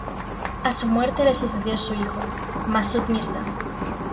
A su muerte le sucedió su hijo Masud Mirza.